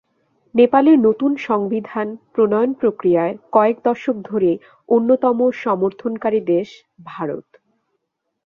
নেপালের নতুন সংবিধান প্রণয়ন-প্রক্রিয়ায় কয়েক দশক ধরেই অন্যতম সমর্থনকারী দেশ ভারত।